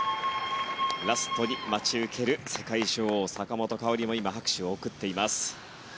ラストに待ち受ける世界女王・坂本花織も今、拍手を送っています。